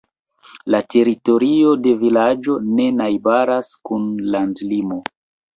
La teritorio de vilaĝo ne najbaras kun landlimo.